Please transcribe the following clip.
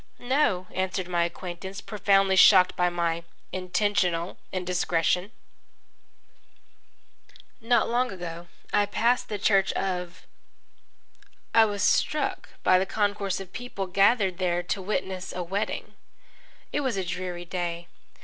"No," answered my acquaintance, profoundly shocked by my intentional indiscretion. Not long ago I passed the Church of . I was struck by the concourse of people gathered there to witness a wedding. It was a dreary day.